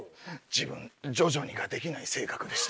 自分「徐々に」ができない性格でして。